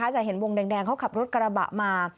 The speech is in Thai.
จะเห็นวงแดงเขาขับรถกระบะมา